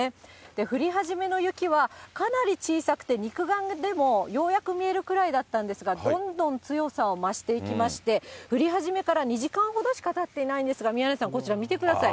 降り始めの雪はかなり小さくて、肉眼でもようやく見えるくらいだったんですが、どんどん強さを増していきまして、降り始めから２時間ほどしかたっていないんですが、宮根さん、こちら見てください。